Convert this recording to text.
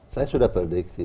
saya sudah prediksi